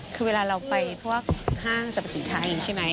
คือเวลาเราไปพวกห้างสรรพสิทธิ์ใช่ไหม